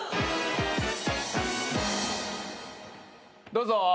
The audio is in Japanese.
どうぞ。